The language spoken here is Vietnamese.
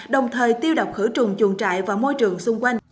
đồng thời tiêu độc khử trùng chuồng trại và môi trường xung quanh